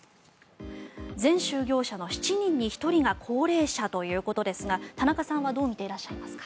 全就業者の７人に１人が高齢者ということですが田中さんはどう見ていらっしゃいますか？